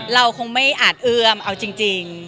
เราคงไม่อาจเอื้อมเอาจริง